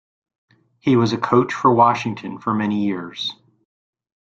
He was a coach for Washington for many years.